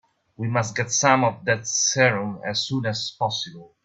We must get some of that serum as soon as possible.